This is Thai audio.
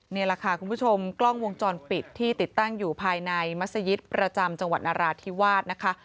นี่แหละค่ะคุณผู้ชมกล้องวงจรปิดที่ติดตั้งอยู่ภายในมัศยิตประจำจังหวัดนราธิวาสนะคะ